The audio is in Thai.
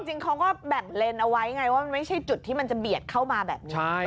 จริงเขาก็แบ่งเลนส์เอาไว้ไงว่ามันไม่ใช่จุดที่มันจะเบียดเข้ามาแบบนี้